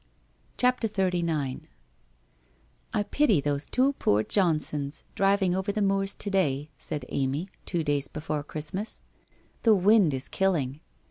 ' CHAPTEE XXXIX ' I pity those two poor Johnsons, driving over the moors to day/ said Amy, two days before Christmas. ' The wind is killing.